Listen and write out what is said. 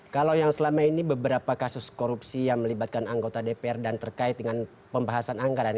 kalau yang selama ini beberapa kasus korupsi yang melibatkan anggota dpr dan terkait dengan pembahasan anggaran